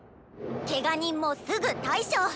ケガ人もすぐ対処！